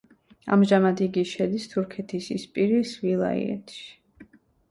ამჟამად იგი შედის თურქეთის ისპირის ვილაიეთში.